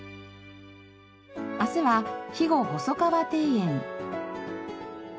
明日は肥後細川庭園。